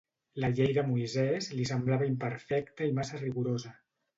La Llei de Moisès li semblava imperfecta i massa rigorosa.